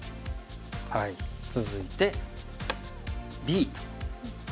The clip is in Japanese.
続いてＢと。